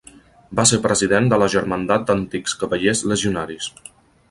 Va ser president de la Germandat d'Antics Cavallers Legionaris.